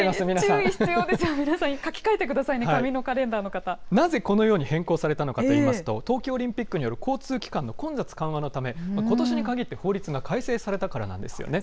注意必要ですよ、皆さん、書き換えてくださいね、紙のカレンなぜこのように変更されたのかといいますと、東京オリンピックによる交通機関の混雑緩和のため、ことしにかぎって法律が改正されたからなんですよね。